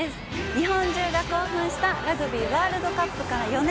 日本中が興奮したラグビーワールドカップから４年。